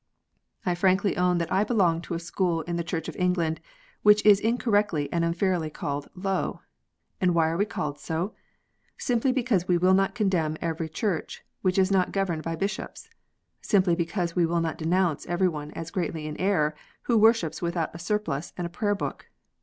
I frankly own that I belong to a school in the Church of England, which is incorrectly and unfairly called "low." And why are we called so ? Simply because we will not condemn every Church which is not governed by Bishops ; simply because we will not denounce every one as greatly in error who worships without a surplice and a Prayer book